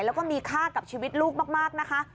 แล้วก็มีค่ากับชีวิตลูกมากนะคะ